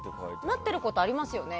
なってることありますよね